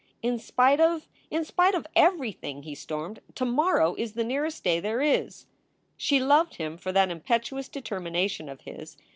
"In spite of " "In spite of everything!" he stormed. "To morrow is the nearest day there is." She loved him for that impetuous determination of his.